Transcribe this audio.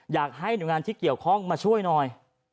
อยากให้หน่วยงานที่เกี่ยวข้องมาช่วยหน่อย